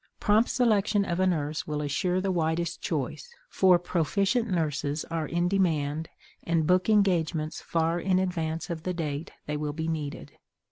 Prompt selection of a nurse will assure the widest choice, for proficient nurses are in demand and book engagements far in advance of the date they will be needed.